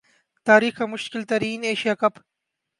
تاریخ کا مشکل ترین ایشیا کپ